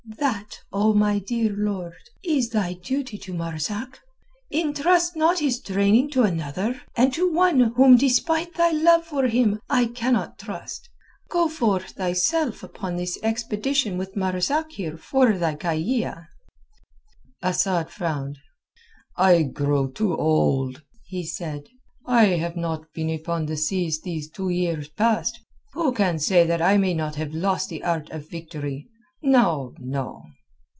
That, O my dear lord, is thy duty to Marzak. Entrust not his training to another and to one whom despite thy love for him I cannot trust. Go forth thyself upon this expedition with Marzak here for thy kayia." Asad frowned. "I grow too old," he said. "I have not been upon the seas these two years past. Who can say that I may not have lost the art of victory. No, no."